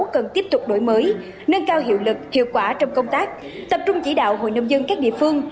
cần tiếp tục đổi mới nâng cao hiệu lực hiệu quả trong công tác tập trung chỉ đạo hội nông dân các địa phương